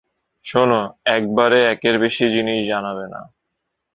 শোনো, একবারে একের বেশি জিনিস জানাবে না।